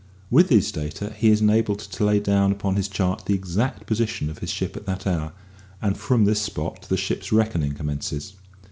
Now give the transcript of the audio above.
With these data he is enabled to lay down upon his chart the exact position of his ship at that hour, and from this spot the ship's reckoning commences.